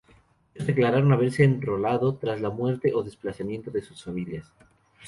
Muchos declararon haberse enrolado tras la muerte o desplazamiento de sus familias.